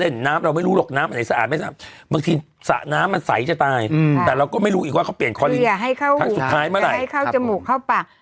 อย่าเอาน้ำเข้าปากเข้าจมูกก็ดีสุด